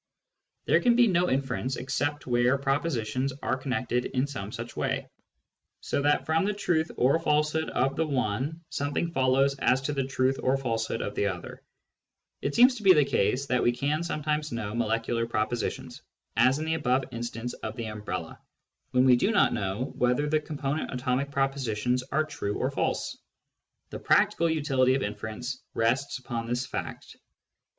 There can be no inference except where propositions are connected in some such way, so that from the truth or falsehood of the one something follows as to the truth or falsehood of the other. It Digitized by Google LOGIC AS THE ESSENCE OF PHILOSOPHY 55 seems to be the case that we can sometimes know, molecular propositions, as in the above instance of the umbrella, when we do not know whether the component ; atomic propositions are true or false. The practical, utility of inference rests upon this fact.